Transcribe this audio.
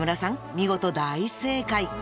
見事大正解！］